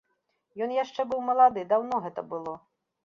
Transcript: Ён яшчэ быў малады, даўно гэта было.